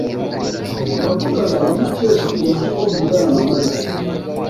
Ndavugana na Mukesha kuruta uko mvugana na Mariya.